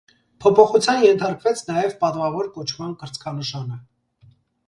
Փոփոխության ենթարկվեց նաև պատվավոր կոչման կրծքանշանը։